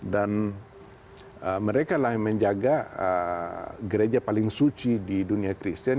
dan mereka yang menjaga gereja paling suci di dunia kristian